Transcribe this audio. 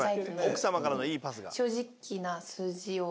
奥様からのいいパスが。